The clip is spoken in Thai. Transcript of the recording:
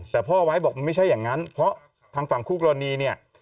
แต่พ่อไว้บอกมันไม่ใช่อย่างนั้นเพราะทางฝั่งคู่กรณีเนี่ย